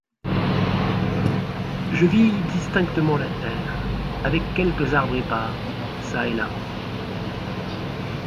Je vis distinctement la terre, avec quelques arbres épars çà et là.